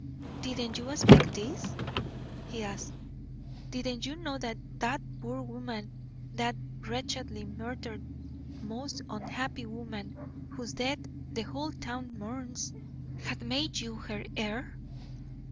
"Didn't you expect THIS?" he asked. "Didn't you know that that poor woman, that wretchedly murdered, most unhappy woman, whose death the whole town mourns, had made you her heir?